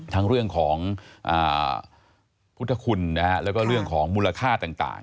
ทั้งเรื่องของพุทธคุณแล้วก็เรื่องของมูลค่าต่าง